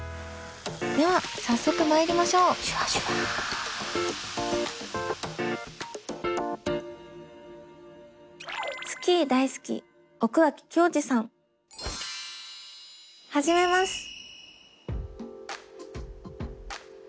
では早速まいりましょう始めます。